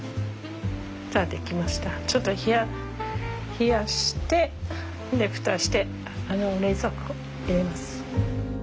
ちょっと冷やして蓋して冷蔵庫入れます。